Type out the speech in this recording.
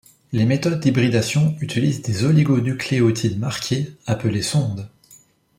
Les méthodes d'hybridation utilisent des oligonucléotides marqués, appelé sonde.